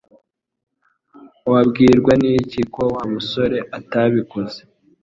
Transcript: Wabwirwa n'iki ko Wa musore atabikoze?